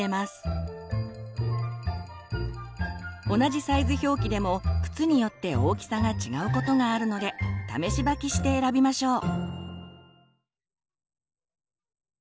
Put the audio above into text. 同じサイズ表記でも靴によって大きさが違うことがあるので試し履きして選びましょう。